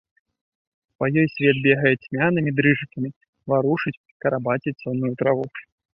Па ёй свет бегае цьмянымі дрыжыкамі, варушыць, карабаціць сонную траву.